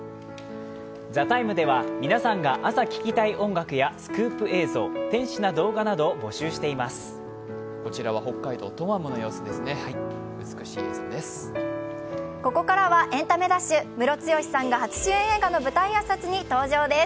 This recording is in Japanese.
「ＴＨＥＴＩＭＥ，」では皆さんが朝聴きたい音楽やスクープ映像、天使な動画などを募集しています。